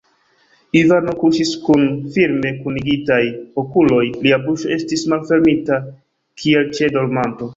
Ivano kuŝis kun firme kunigitaj okuloj; lia buŝo estis malfermita, kiel ĉe dormanto.